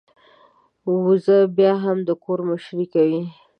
وزه بيا هم د کور مشرۍ کوي.